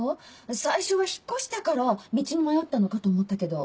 最初は引っ越したから道に迷ったのかと思ったけど。